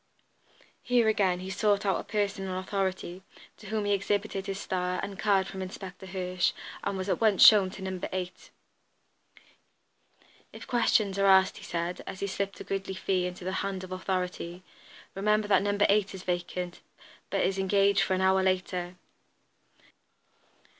Here again he sought out a person in authority, to whom he exhibited his star, and a card from Inspector Hirsch, and was at once shown to No. 8. "If questions are asked," he said, as he slipped a goodly fee into the hand of authority, "remember that No. 8 is vacant, but is engaged for an hour later."